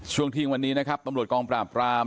ช่วงเที่ยงวันนี้นะครับตำรวจกองปราบราม